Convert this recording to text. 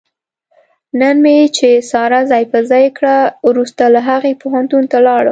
نن مې چې ساره ځای په ځای کړه، ورسته له هغې پوهنتون ته ولاړم.